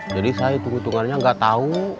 jadi saya kebetulannya nggak tau